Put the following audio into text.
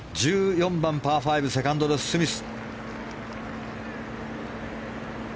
１４番、パー５セカンドです、スミス。